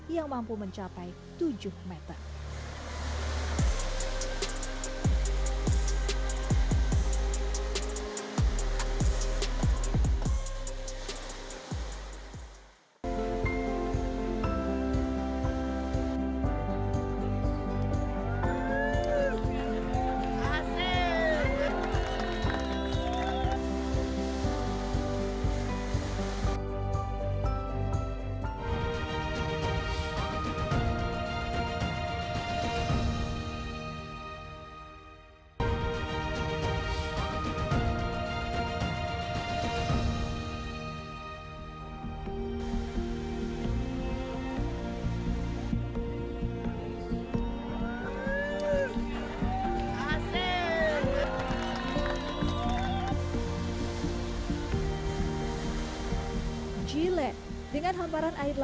yang mampu mencapai tujuh meter